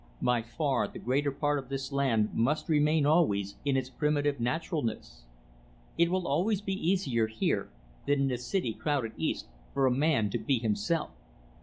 By far the greater part of this land must remain, always, in its primitive naturalness. It will always be easier, here, than in the city crowded East, for a man to be himself.